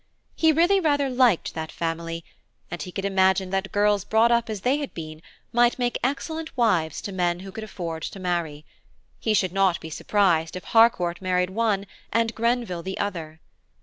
He really rather liked that family, and he could imagine that girls brought up as they had been might make excellent wives to men who could afford to marry. He should not be surprised if Harcourt married one and Grenville the other.